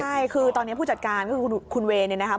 ใช่คือตอนนี้ผู้จัดการคือคุณเวนนะครับ